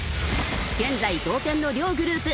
現在同点の両グループ。